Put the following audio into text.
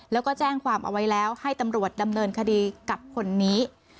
แล้วก็แจ้งความเอาไว้แล้วให้ตำรวจดำเนินคดีกับคนนี้